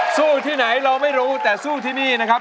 ที่ไหนเราไม่รู้แต่สู้ที่นี่นะครับ